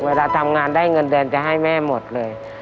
เวลาทำงานได้เงินเดือนจะให้แม่หมดเลย